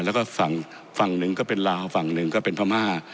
แล้วก็ฝั่งฝั่งหนึ่งก็เป็นลาวฝั่งหนึ่งก็เป็นพม่า